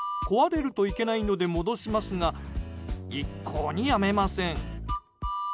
壊れるといけないので戻しますが一向にやめません。